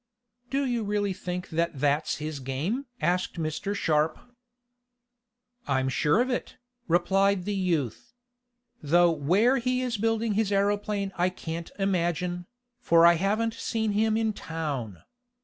"Do you really think that's his game?" asked Mr. Sharp. "I'm sure of it," replied the youth. "Though where he is building his aeroplane I can't imagine, for I haven't seen him in town.